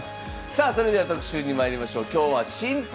さあそれでは特集にまいりましょう。